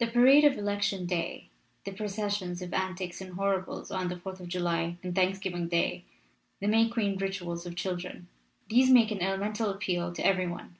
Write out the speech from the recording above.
"The parade of Election Day, the processions of Antics and Horribles on the Fourth of July and Thanksgiving Day, the May Queen rituals of children these make an elemental appeal to every one.